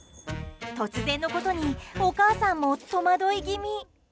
突然のことにお母さんも戸惑い気味。